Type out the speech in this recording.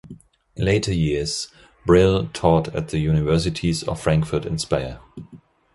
In later years, Brill taught at the universities of Frankfurt and Speyer.